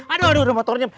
aduh udah motornya